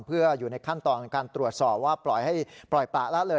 เพื่ออยู่ในขั้นตอนของการตรวจสอบว่าปล่อยให้ปล่อยปละละเลย